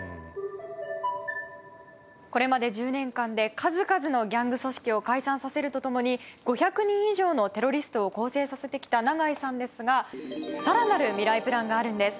これまで１０年間で数々のギャング組織を解散させるとともに５００人以上のテロリストを更生させてきた永井さんですがさらなるミライプランがあるんです。